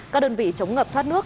các đơn vị chống ngập thoát nước